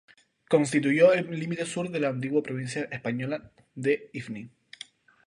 Constituyó el límite sur de la antigua provincia española de Ifni.